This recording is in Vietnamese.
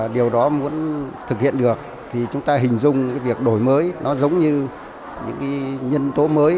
điều đó muốn thực hiện được thì chúng ta hình dung việc đổi mới nó giống như những nhân tố mới